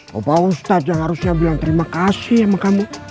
bapak ustadz yang harusnya bilang terima kasih sama kamu